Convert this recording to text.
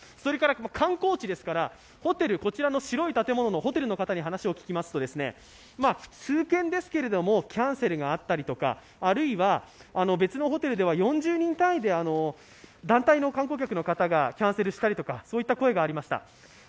観光地ですから、こちらの白い建物のホテルの方に話を聞きますと、数件ですけれども、キャンセルがあったりとか、あるいは別のホテルでは４０人単位で団体の観光客の方がキャンセルしたりとかそういった声がありました。